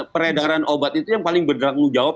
peredaran obat itu yang paling bertanggung jawab